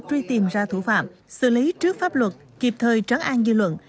truy tìm ra thủ phạm xử lý trước pháp luật kịp thời trắng an dư luận